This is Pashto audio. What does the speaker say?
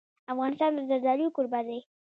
افغانستان د زردالو کوربه دی.